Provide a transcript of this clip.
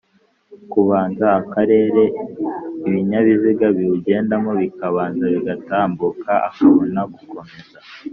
kubanza akareka Ibinyabiziga biwugendamo bikabanza bigatambuka akabona gukomeza